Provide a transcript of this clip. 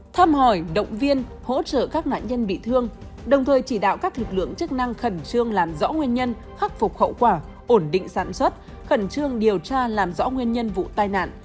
thăm hỏi động viên hỗ trợ các nạn nhân bị thương đồng thời chỉ đạo các lực lượng chức năng khẩn trương làm rõ nguyên nhân khắc phục hậu quả ổn định sản xuất khẩn trương điều tra làm rõ nguyên nhân vụ tai nạn